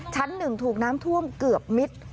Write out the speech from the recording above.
ชั้น๑ถูกน้ำท่วมเกือบมิตร